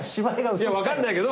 いや分かんないけど。